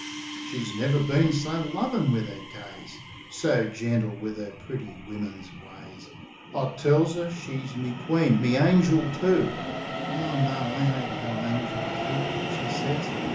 She's never been so lovin' wiv 'er gaze; So gentle wiv 'er pretty wimmin's ways. I tells 'er she's me queen, me angel, too. "Ah, no, I ain't no angel. Kid," she says.